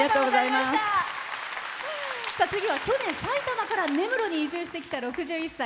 次は去年、埼玉から根室に移住してきた６１歳。